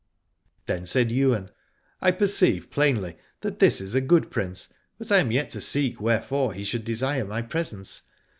Then said Ywain, I perceive plainly that H 113 Alad ore this is a good Prince, but I am yet to seek wherefore he should desire my presence.